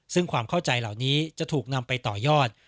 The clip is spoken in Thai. ซึ่งความเข้าใจเหล่านี้จะถูกนำไปต่อยอด